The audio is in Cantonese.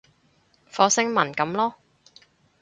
火星文噉囉